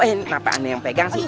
kenapa anda yang pegang sih